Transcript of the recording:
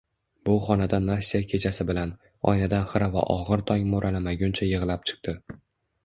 Bu xonada Nastya kechasi bilan, oynadan xira va ogʻir tong moʻralamaguncha yigʻlab chiqdi.